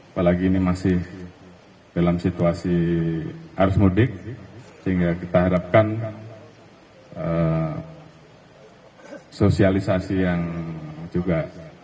apalagi ini masih dalam situasi arus mudik sehingga kita harapkan sosialisasi yang juga